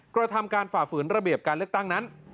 กระทำการฝ่าฝืนระเบียบการเลือกตั้งนั้น